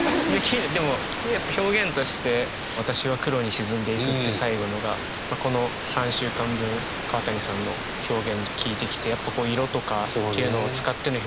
でも表現として「私は黒に沈んでいく」って最後のがこの３週間分川谷さんの表現聞いてきてやっぱこう色とかというのを使っての表現がうまいな。